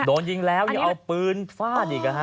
โดนยิงแล้วยังเอาปืนฟาดอีก